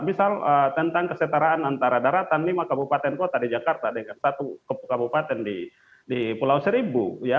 misal tentang kesetaraan antara daratan lima kabupaten kota di jakarta dengan satu kabupaten di pulau seribu